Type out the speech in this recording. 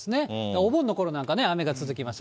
お盆のころなんか雨が続きました。